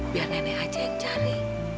biar nenek aja yang cari